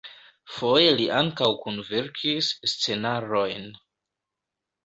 Foje li ankaŭ kunverkis scenarojn.